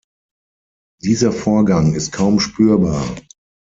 Dieser Vorgang ist kaum spürbar.